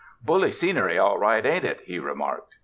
''Bully scenery, all right, ain't it?" he remarked.